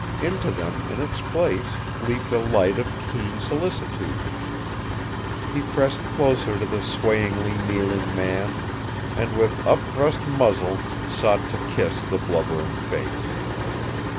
Into them in its place leaped a light of keen solicitude. He pressed closer to the swayingly kneeling man, and with upthrust muzzle sought to kiss the blubbering face.